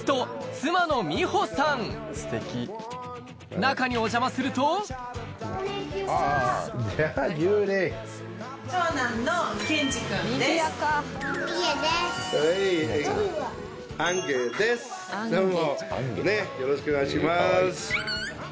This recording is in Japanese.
中にお邪魔するとよろしくお願いします。